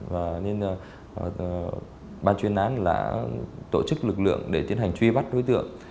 và nên là ban chuyên án là tổ chức lực lượng để tiến hành truy bắt đối tượng